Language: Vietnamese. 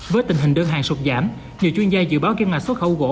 với tình hình đơn hàng sụt giảm nhiều chuyên gia dự báo kim ngạch xuất khẩu gỗ